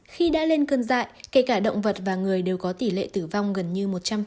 khi đã lên cơn dại kể cả động vật và người đều có tỷ lệ tử vong gần như một trăm linh